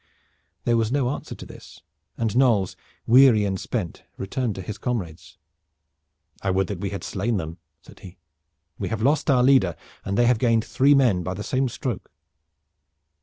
There was no answer to this and Knolles, weary and spent, returned to his comrades. "I would that we had slain them," said he. "We have lost our leader and they have gained three men by the same stroke."